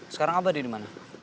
sekarang apa dia dimana